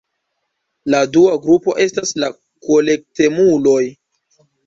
La dua grupo estas la kolektemuloj.